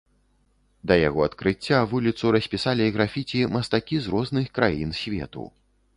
Да яго адкрыцця вуліцу распісалі графіці мастакі з розных краін свету.